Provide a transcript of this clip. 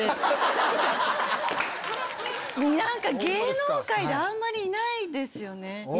何か芸能界であんまりいないですよね。